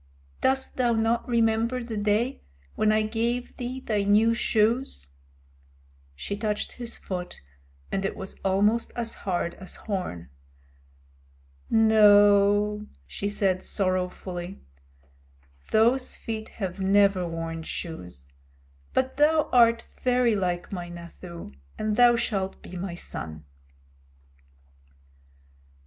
"Dost thou not remember the day when I gave thee thy new shoes?" She touched his foot, and it was almost as hard as horn. "No," she said sorrowfully, "those feet have never worn shoes, but thou art very like my Nathoo, and thou shalt be my son."